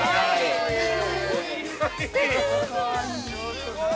◆すごい。